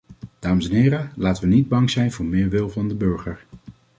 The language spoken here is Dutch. Dames en heren, laten we niet bang zijn voor meer wil van de burger.